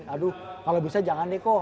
aduh kalau bisa jangan deh kok